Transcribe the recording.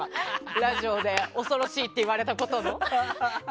ラジオで恐ろしいと言われたことの。